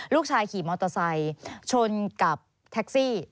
ขี่มอเตอร์ไซค์ชนกับแท็กซี่